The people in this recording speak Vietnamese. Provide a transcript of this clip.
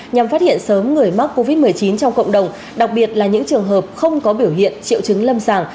nhằm phát hiện sớm người mắc covid một mươi chín trong cộng đồng đặc biệt là những trường hợp không có biểu hiện triệu chứng lâm sàng